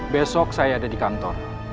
besok saya ada di kantor